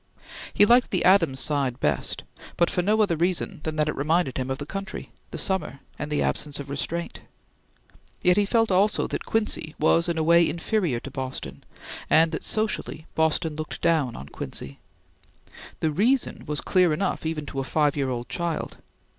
He liked the Adams side best, but for no other reason than that it reminded him of the country, the summer, and the absence of restraint. Yet he felt also that Quincy was in a way inferior to Boston, and that socially Boston looked down on Quincy. The reason was clear enough even to a five year old child.